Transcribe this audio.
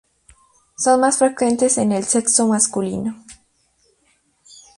Son más frecuentes en el sexo masculino.